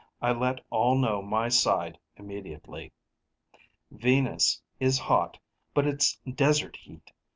I let all know my side immediately. "Venus is hot, but it's desert heat.